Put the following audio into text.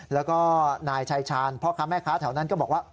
แล้วก็นายชายชาญพ่อค้าแม่ค้าแถวนั้นก็บอกว่า